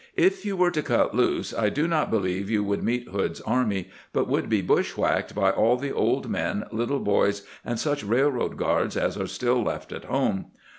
If you were to cut loose, I do not be lieve you would meet Hood's army, but would be bush whacked by all the old men, little boys, and such railroad guards as are still left at home.